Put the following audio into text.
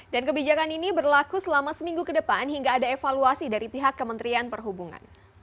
dan kebijakan ini berlaku selama seminggu ke depan hingga ada evaluasi dari pihak kementerian perhubungan